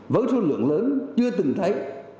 với số lượng lớn chưa từng thấy